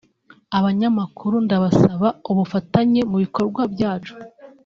Abanyamakuru ndabasaba ubufatanye mu bikorwa byacu